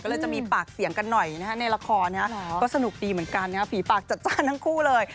ก็เลยจะมีปากเสียงกันหน่อยนะฮะในละครก็สนุกดีเหมือนกันฝีปากจัดจ้านทั้งคู่เลย